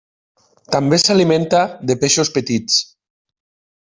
També s'alimenta de peixos petits.